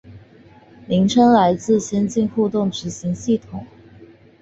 名称来自先进互动执行系统。